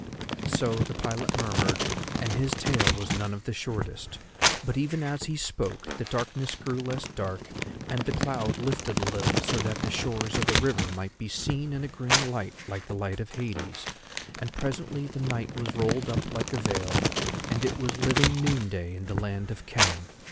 So the pilot murmured, and his tale was none of the shortest; but even as he spoke the darkness grew less dark and the cloud lifted a little so that the shores of the river might be seen in a green light like the light of Hades, and presently the night was rolled up like a veil, and it was living noonday in the land of Khem.